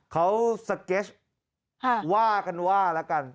เขาสเก็ตว่ากันว่าแล้วกัน